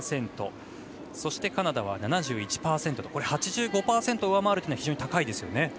そしてカナダは７１％と８５％上回るというのは非常に高いですよね。